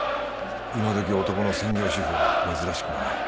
今どき男の専業主夫は珍しくもない。